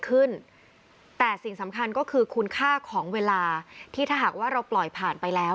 ขึ้นแต่สิ่งสำคัญก็คือคุณค่าของเวลาที่ถ้าหากว่าเราปล่อยผ่านไปแล้ว